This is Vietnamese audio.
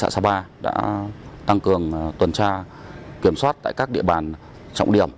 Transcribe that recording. sapa đã tăng cường tuần tra kiểm soát tại các địa bàn trọng điểm